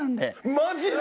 マジで！？